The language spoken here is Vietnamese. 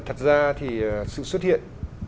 thật ra thì sự xuất hiện